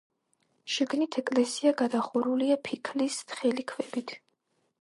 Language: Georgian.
შიგნით ეკლესია გადახურულია ფიქლის თხელი ქვებით.